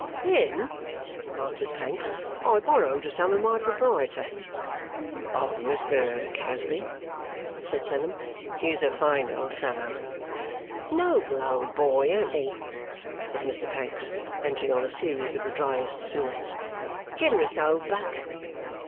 'Then,' answered Pancks, 'I borrowed a sum of my proprietor.' 'Of Mr Casby?' said Clennam. 'He's a fine old fellow.' 'Noble old boy; an't he?' said Mr Pancks, entering on a series of the dryest snorts. 'Generous old buck.